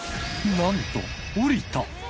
なんと降りた！